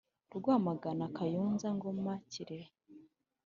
Rwamagana Kayonza Ngoma Kirehe